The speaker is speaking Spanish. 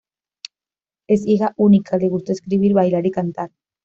Es hija única, le gusta escribir, bailar y cantar.